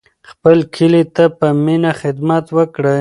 خپل کلي ته په مینه خدمت وکړئ.